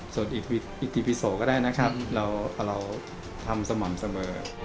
ส่วนอีกกี่ปีโสก็ได้นะครับเราทำสม่ำเสมอ